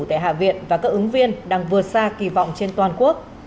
tại hạ viện và các ứng viên đang vượt xa kỳ vọng trên toàn quốc